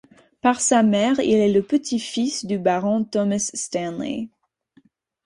Par sa mère, il est le petit-fils du baron Thomas Stanley.